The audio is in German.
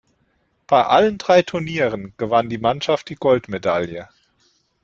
Bei allen drei Turnieren gewann die Mannschaft die Goldmedaille.